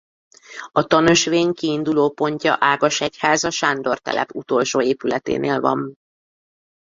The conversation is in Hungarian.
A tanösvény kiindulópontja Ágasegyháza-Sándortelep utolsó épületénél van.